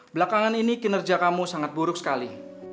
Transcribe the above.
belakangan ini kinerja kamu sangat buruk sekali